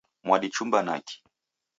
Mwadichumba naki?